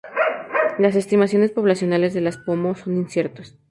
Las estimaciones poblacionales de los pomo son inciertas.